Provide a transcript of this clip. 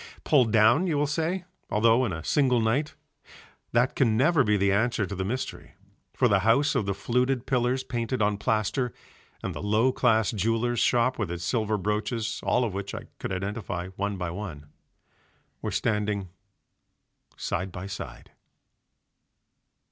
Pulled down, you will say, although in a single night. That can never be the answer to the mystery, for the house of the fluted pillars painted on plaster and the low class jeweller's shop with its silver brooches (all of which I could identify one by one) were standing side by side.